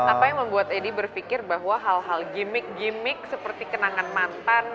apa yang membuat edi berpikir bahwa hal hal gimmick gimmick seperti kenangan mantan